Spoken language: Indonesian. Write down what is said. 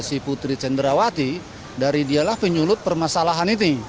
dan juga si putri cenderawati dari dialah penyulut permasalahan ini